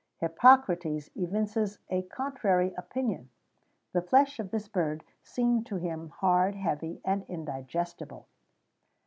[XVII 42] Hippocrates evinces a contrary opinion. The flesh of this bird seemed to him hard, heavy, and indigestible.